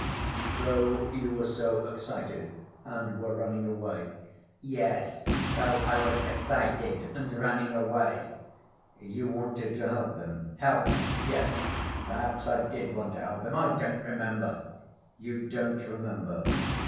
"Though you were so excited and were running away?" "Yes, though I was excited and running away." "You wanted to help him?" "Help!... Yes, perhaps I did want to help him.... I don't remember." "You don't remember?